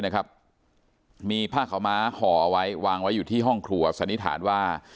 นะครับมีผ้าขาวม้าห่อเอาไว้วางไว้อยู่ที่ห้องครัวสันนิษฐานว่า